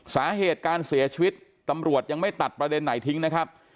สาเหตุการเสียชีวิตตำรวจยังไม่ตัดประเด็นไหนทิ้งนะครับ